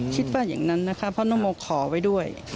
คิดว่าอย่างนั้นนะคะเพราะน้องโมขอไว้ด้วย